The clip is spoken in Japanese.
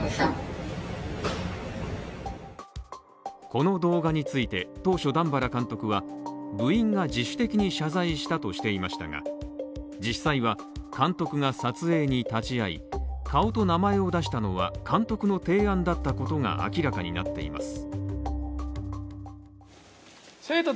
この動画について当初、段原監督は部員が自主的に謝罪したとしていましたが、実際は監督が撮影に立ち会い顔と名前を出したのは監督の提案だったことが明らかになっています。